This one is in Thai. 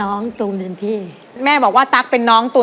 แล้ววันนี้ผมมีสิ่งหนึ่งนะครับเป็นตัวแทนกำลังใจจากผมเล็กน้อยครับ